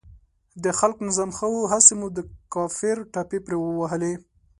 د خلق نظام ښه و، هسې مو د کفر ټاپې پرې ووهلې.